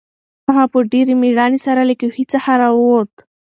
هغه په ډېرې مېړانې سره له کوهي څخه راووت.